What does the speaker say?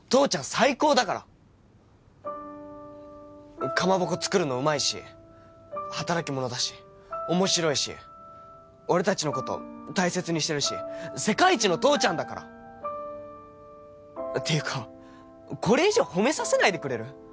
最高だからかまぼこ作るのうまいし働き者だし面白いし俺達のこと大切にしてるし世界一の父ちゃんだからていうかこれ以上褒めさせないでくれる？